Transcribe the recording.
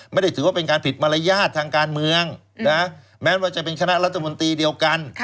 ไม่ได้ถือว่าเป็นการผิดมารยาททางการเมืองแม้ว่าจะเป็นคณะรัฐมนตรีเดียวกัน